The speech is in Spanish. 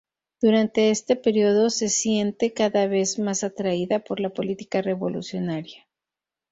Durante este periodo se siente cada vez más atraída por la política revolucionaria.